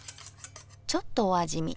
ちょっとお味見。